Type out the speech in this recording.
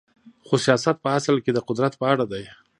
خو سیاست په اصل کې د قدرت په اړه دی.